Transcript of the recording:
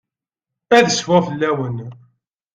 Ad cfuɣ fell-awen.